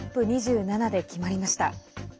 ＣＯＰ２７で決まりました。